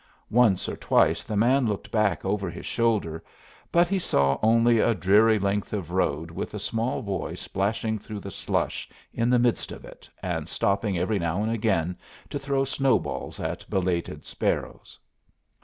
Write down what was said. Once or twice the man looked back over his shoulder, but he saw only a dreary length of road with a small boy splashing through the slush in the midst of it and stopping every now and again to throw snowballs at belated sparrows.